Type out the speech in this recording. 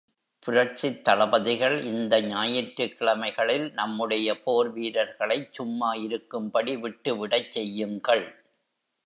புரட்சித் தளபதிகள் இந்த ஞாயிற்றுக் கிழமைகளில், நம்முடைய போர் வீரர்களைச் சும்மா இருக்கும்படி விட்டு விடச் செய்யுங்கள்.